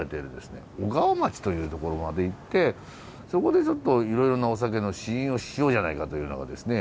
小川町という所まで行ってそこでちょっといろいろなお酒の試飲をしようじゃないかというのがですね